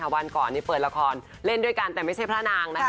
วันก่อนนี้เปิดละครเล่นด้วยกันแต่ไม่ใช่พระนางนะคะ